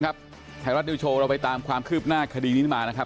ไทยรัฐนิวโชว์เราไปตามความคืบหน้าคดีนี้มานะครับ